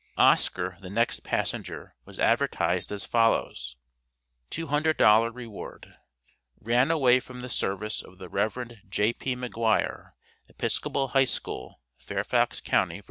Oscar, the next passenger, was advertised as follows: $200 REWARD. Ran away from the service of the Rev. J.P. McGuire, Episcopal High School, Fairfax county, Va.